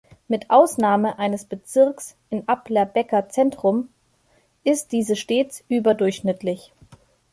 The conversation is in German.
Mit Ausnahme eines Bezirks im Aplerbecker Zentrum ist dieses stets überdurchschnittlich.